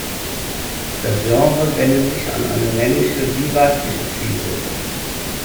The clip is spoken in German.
Das Genre wendet sich an eine männliche wie weibliche Zielgruppe.